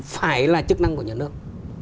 phải là chức năng của nhà nước